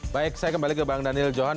baik saya kembali ke bang daniel johan